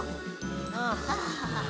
ああ。